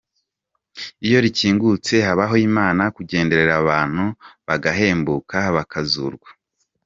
Iyo rikingutse habaho Imana kugenderera abantu, bagahembuka, bakazurwa.